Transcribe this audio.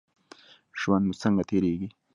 ژوند مو څنګه تیریږي؟